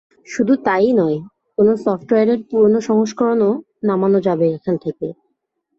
শুধু তা-ই নয়, কোনো সফটওয়্যারের পুরোনো সংস্করণও নামানো যাবে এখান থেকে।